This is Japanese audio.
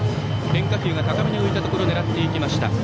変化球が高めに浮いたところを狙っていきました。